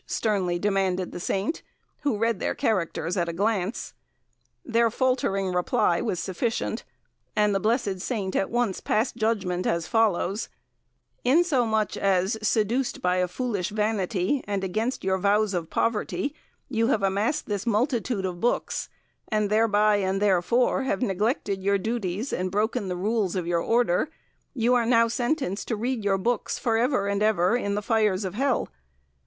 sternly demanded the saint, who read their characters at a glance. Their faltering reply was sufficient, and the blessed saint at once passed judgment as follows: 'Insomuch as, seduced by a foolish vanity, and against your vows of poverty, you have amassed this multitude of books and thereby and therefor have neglected the duties and broken the rules of your Order, you are now sentenced to read your books for ever and ever in the fires of Hell.'